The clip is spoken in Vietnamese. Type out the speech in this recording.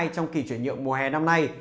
trong kỳ chuyển nhượng mùa hè năm nay